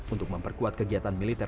untuk memperkuat kegiatan militer